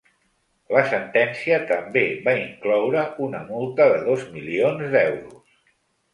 La sentència també va incloure una multa de dos milions d’euros.